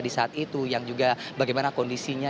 di saat itu yang juga bagaimana kondisinya